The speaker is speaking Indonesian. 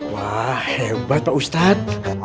wah hebat pak ustadz